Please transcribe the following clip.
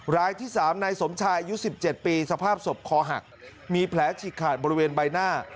รายที่๓นายสมชายอายุ๑๗ปีสภาพศพคอหักมีแผลฉีกขาดบริเวณใบหน้า